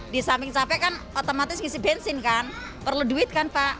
di samping capek kan otomatis ngisi bensin kan perlu duit kan pak